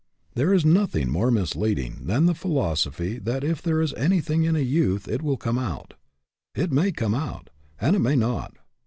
There is nothing more misleading than the philosophy that if there is anything in a youth it will come out. It may come out, and it may not.